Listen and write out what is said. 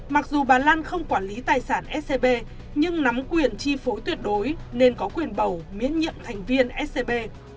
mặc dù bà lan không quản lý tài sản scb nhưng nắm quyền chi phối tuyệt đối nên có quyền bầu miễn nhiệm thành viên scb